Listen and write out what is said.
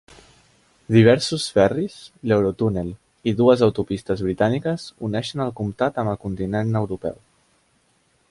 Diversos ferris, l'Eurotúnel i dues autopistes britàniques uneixen el comtat amb el continent europeu.